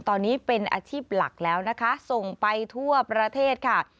ตอนนี้เป็นอาชีพหลักแล้วนะคะส่งไปทั่วประเทศค่ะ